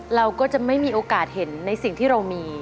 เราก็จะไม่มีโอกาสเห็นในสิ่งที่เรามี